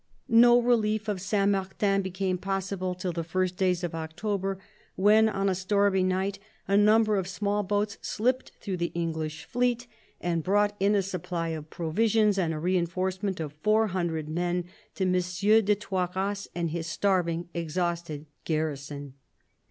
No relief of Saint Martin became possible till the first days of October, when on a stormy night a number of small boats slipped through the English fleet and brought in a supply of provisions and a reinforcement of four hundred men to M. de Toiras and his starving, exhausted garrison.